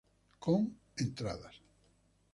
Con entradas.